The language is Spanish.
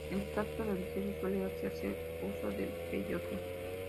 En sus actos religiosos suele hacerse uso del peyote.